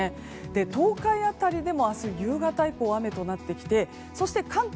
東海辺りでも明日夕方以降雨となってきてそして関東